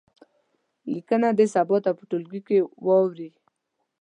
لیکنه دې سبا ته په ټولګي کې واوروي.